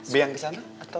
bi yang kesana atau